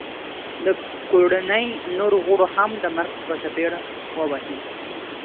د کوړنۍ نورو غړو هم د مرګ په څپېړه وه وهي